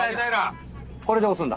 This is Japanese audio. これで押すんだ。